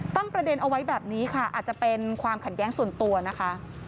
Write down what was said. ประเด็นเอาไว้แบบนี้ค่ะอาจจะเป็นความขัดแย้งส่วนตัวนะคะ